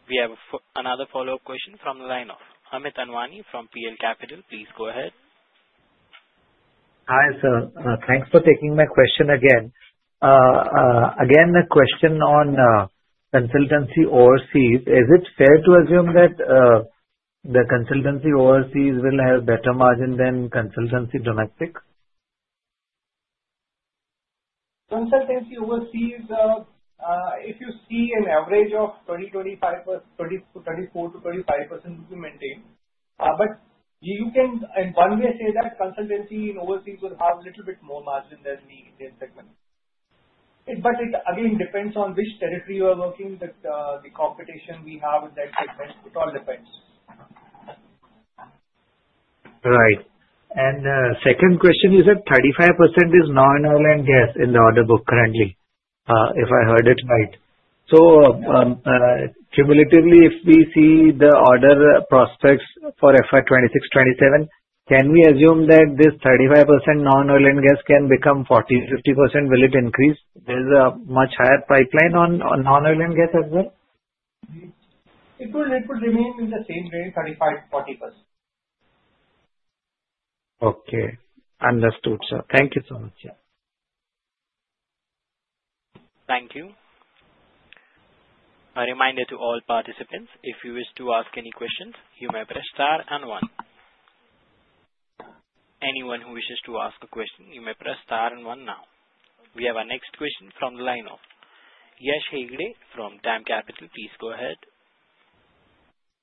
We have another follow-up question from the line of Amit Anwani from PL Capital. Please go ahead. Hi, sir. Thanks for taking my question again. Again, the question on consultancy overseas, is it fair to assume that the consultancy overseas will have better margin than consultancy domestic? Consultancy overseas, if you see an average of 20%-25%, 34-35% will be maintained. You can, in one way, say that consultancy overseas will have a little bit more margin than the Indian segment. It, again, depends on which territory you are working, the competition we have in that segment. It all depends. Right. Second question, is that 35% is non-oil and gas in the order book currently, if I heard it right? Cumulatively, if we see the order prospects for FY 26, FY 27, can we assume that this 35% non-oil and gas can become 40%, 50%? Will it increase? There is a much higher pipeline on non-oil and gas as well? It will remain in the same range, 35%-40%. Okay. Understood, sir. Thank you so much. Thank you. A reminder to all participants, if you wish to ask any questions, you may press star and one. Anyone who wishes to ask a question, you may press star and one now. We have our next question from the line of Yash Hegde from DAM Capital Advisors. Please go ahead.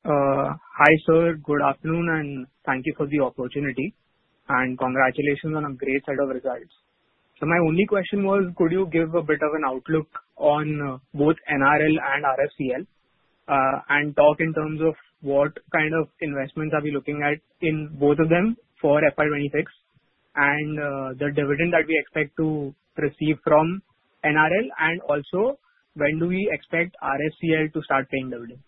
Hi, sir. Good afternoon, and thank you for the opportunity. Thank you, and congratulations on a great set of results. My only question was, could you give a bit of an outlook on both NRL and RFCL and talk in terms of what kind of investments are we looking at in both of them for FY 26 and the dividend that we expect to receive from NRL? Also, when do we expect RFCL to start paying dividends?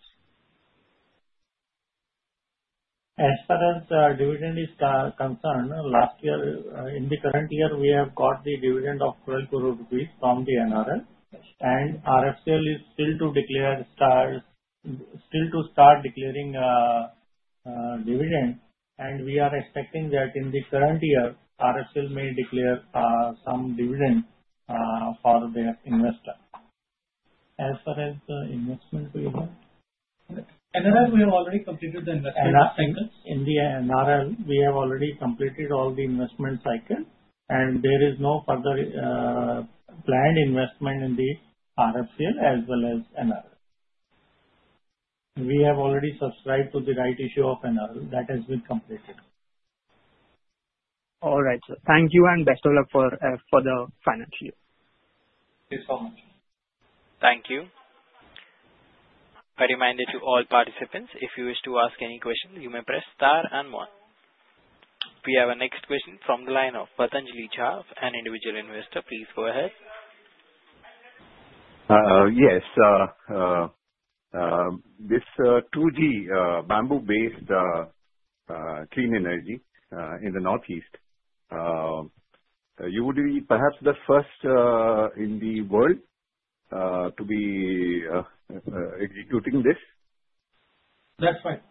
As far as dividend is concerned, last year, in the current year, we have got the dividend of 12 crore rupees from the NRL. RSCL is still to declare dividend. We are expecting that in the current year, RSCL may declare some dividend for their investor. As far as the investment, we have NRL, we have already completed the investment cycle. NRL, we have already completed all the investment cycle. There is no further planned investment in the RSCL as well as NRL. We have already subscribed to the rights issue of NRL. That has been completed. All right, sir. Thank you, and best of luck for the financial year. Thank you so much. Thank you. A reminder to all participants, if you wish to ask any question, you may press star and one. We have our next question from the line of Patanjali Chav, an individual investor. Please go ahead. Yes. This 2G bamboo-based clean energy in the northeast, you would be perhaps the first in the world to be executing this? That's right.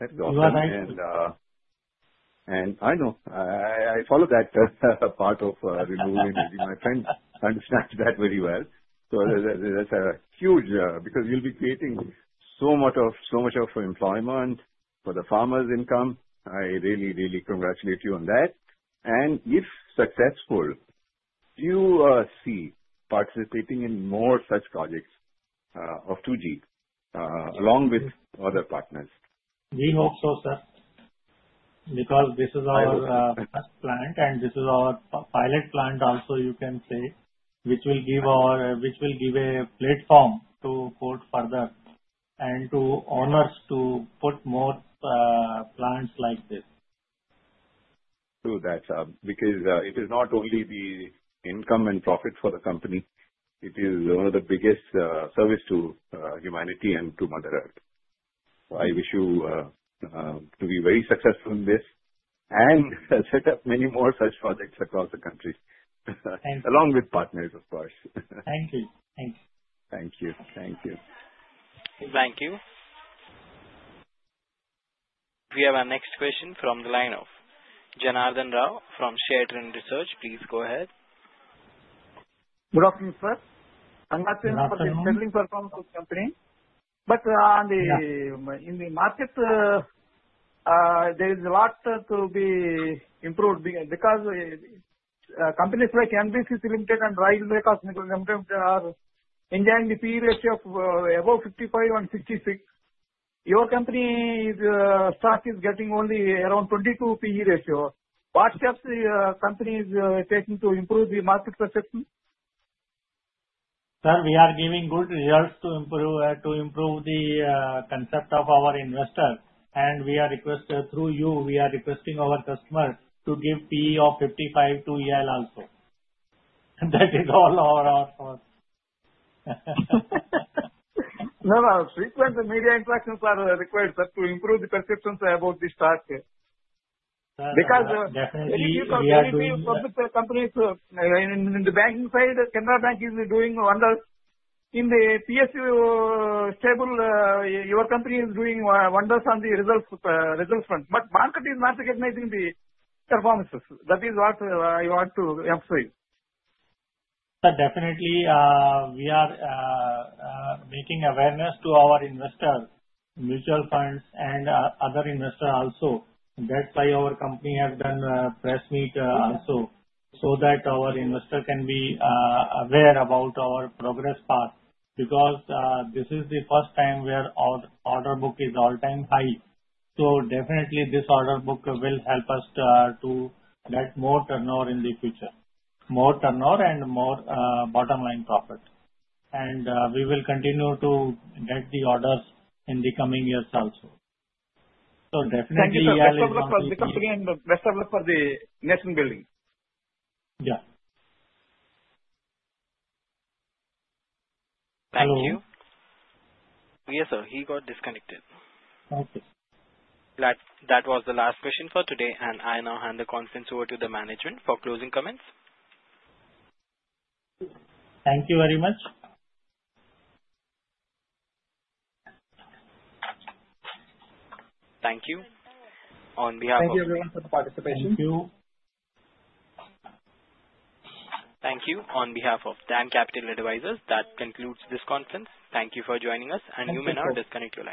That's awesome. I know I follow that part of renewable energy. My friend understands that very well. That's huge because you'll be creating so much employment for the farmers' income. I really, really congratulate you on that. If successful, do you see participating in more such projects of 2G along with other partners? We hope so, sir, because this is our first plant and this is our pilot plant also, you can say, which will give a platform to put further and to owners to put more plants like this. True that because it is not only the income and profit for the company. It is one of the biggest service to humanity and to Mother Earth. I wish you to be very successful in this and set up many more such projects across the country along with partners, of course. Thank you. Thank you. Thank you. Thank you. Thank you. We have our next question from the line of Janardan Rao from Share Trend Research. Please go ahead. Good afternoon, sir. I'm not sure about the selling performance of the company. In the market, there is a lot to be improved because companies like NBCC (India) Limited and Rail Vikas Nigam Limited are enjoying the P/E ratio of above 55 and 66. Your company's stock is getting only around 22 P/E ratio. What steps is the company taking to improve the market perception? Sir, we are giving good results to improve the concept of our investor. We are requesting through you, we are requesting our customers to give PE of 55 to EIL also. That is all our outcome. There are frequent media interactions that are required, sir, to improve the perceptions about this stock because if you compare it to some of the companies in the banking side, Canara Bank is doing wonders. In the PSU stable, your company is doing wonders on the results front. The market is not recognizing the performances. That is what I want to emphasize. Sir, definitely, we are making awareness to our investors, mutual funds, and other investors also. That is why our company has done a press meet also so that our investors can be aware about our progress path because this is the first time where our order book is all-time high. Definitely, this order book will help us to get more turnover in the future, more turnover and more bottom line profit. We will continue to get the orders in the coming years also. Definitely, yeah, the company. The best of luck for the company and the best of luck for the nation building. Yeah. Thank you. Yes, sir. He got disconnected. Okay. That was the last question for today. I now hand the conference over to the management for closing comments. Thank you very much. Thank you. On behalf of. Thank you, everyone, for the participation. Thank you. Thank you. On behalf of DAM Capital Advisors, that concludes this conference. Thank you for joining us, and you may now disconnect.